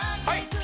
はい！